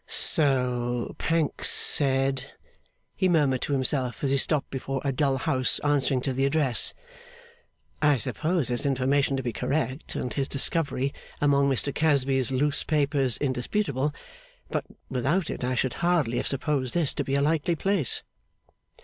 'So Pancks said,' he murmured to himself, as he stopped before a dull house answering to the address. 'I suppose his information to be correct and his discovery, among Mr Casby's loose papers, indisputable; but, without it, I should hardly have supposed this to be a likely place.